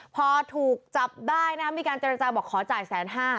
พอถูกจับได้นะมีการเจรจาบอกขอจ่ายแสนห้า